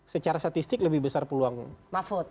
secara statistik lebih besar peluang mahfud